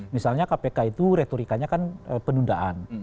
misalnya kpk itu retorikanya kan penundaan